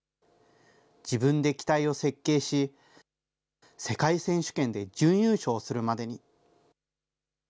自分で機体を設計し、世界選手権で準優勝するまでに。